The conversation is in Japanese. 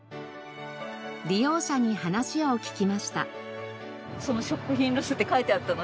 利用者に話を聞きました。